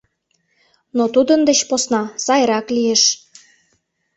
Но тудын деч посна сайрак лиеш...